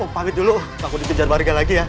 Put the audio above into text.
om pamit dulu takut dipinjar warga lagi ya